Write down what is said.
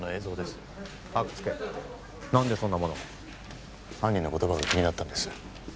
何でそんなものを犯人の言葉が気になったんです